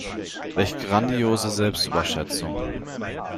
Welch grandiose Selbstüberschätzung.